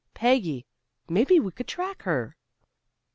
"Peggy, maybe he could track her."